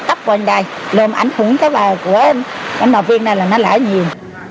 còn đây lùm ảnh hưởng tới bài của em em đọc viên này là nó lãi nhiều